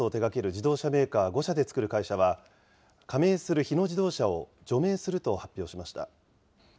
自動車メーカー５社で作る会社は、加盟する日野自動車を除名すると発表しました。